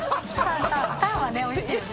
タンはおいしいよね。